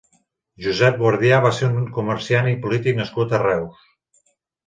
Josep Guardià va ser un comerciant i polític nascut a Reus.